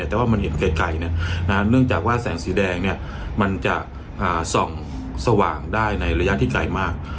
แต่ว่ามันเห็นไกลเนื่องจากว่าแสงสีแดงเนี่ยมันจะส่องสว่างได้ในระยะที่ไกลมาก